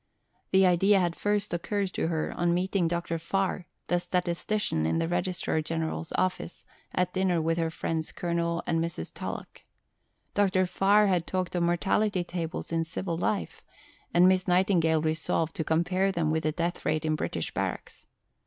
The idea had first occurred to her on meeting Dr. Farr, the statistician in the Registrar General's office, at dinner with her friends Colonel and Mrs. Tulloch. Dr. Farr had talked of mortality tables in civil life, and Miss Nightingale resolved to compare them with the death rate in British barracks.